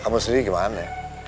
kamu sendiri gimana ya